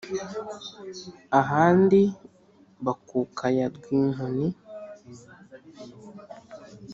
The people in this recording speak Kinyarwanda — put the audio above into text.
ahandi bakuka ya rwinkoni